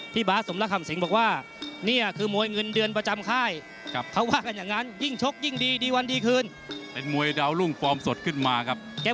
พี่บาสสมราคามสิงห์บอกว่า